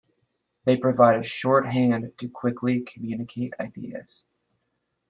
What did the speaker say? They provide a shorthand to quickly communicate ideas.